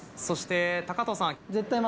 そして藤さん。